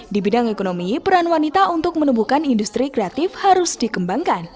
di bidang ekonomi peran wanita untuk menumbuhkan industri kreatif harus dikembangkan